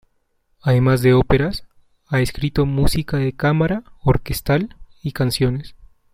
Además de óperas, ha escrito música de cámara, orquestal y canciones.